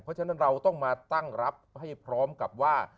เพราะฉะนั้นเราต้องมาตั้งรับให้พร้อมกับว่า